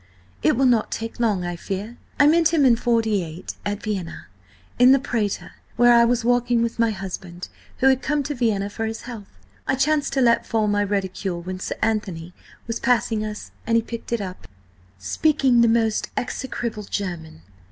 "It will not take long, I fear. I met him in '48 at Vienna, in the Prater, where I was walking with my husband, who had come to Vienna for his health. I chanced to let fall my reticule when Sir Anthony was passing us, and he picked it up, speaking the most execrable German."